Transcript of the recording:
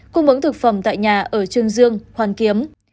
cung ứng thực phẩm tại nhà ở trương dương hoàn kiếm